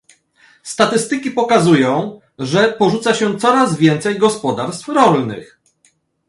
Statystyki pokazują, że porzuca się coraz więcej gospodarstw rolnych